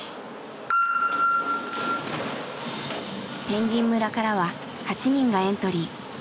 ぺんぎん村からは８人がエントリー。